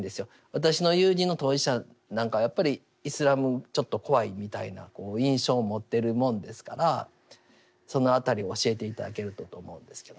私の友人の当事者なんかはやっぱりイスラムちょっと怖いみたいな印象を持ってるもんですからその辺りを教えて頂けるとと思うんですけど。